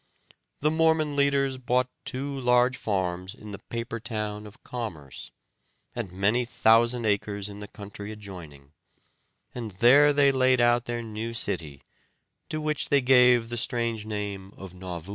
The Mormon leaders bought two large farms in the "paper" town of Commerce, and many thousand acres in the country adjoining, and there they laid out their new city, to which they gave the strange name of Nauvoo.